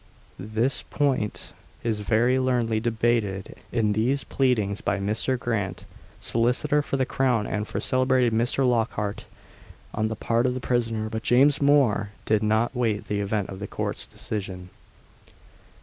This point is very learnedly debated in these pleadings by Mr. Grant, Solicitor for the Crown, and the celebrated Mr. Lockhart, on the part of the prisoner; but James Mhor did not wait the event of the Court's decision.